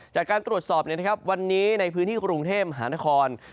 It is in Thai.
จากการตรวจสอบวันนี้ในพื้นที่กรุงเทพมหานคร